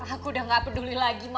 aku udah gak peduli lagi